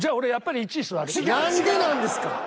何でなんですか！